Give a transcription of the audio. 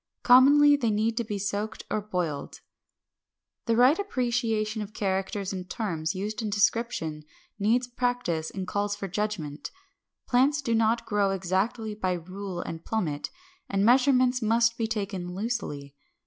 Commonly they need to be soaked or boiled. 575. The right appreciation of characters and terms used in description needs practice and calls for judgment. Plants do not grow exactly by rule and plummet, and measurements must be taken loosely.